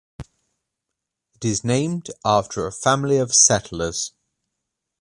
It is named after a family of settlers.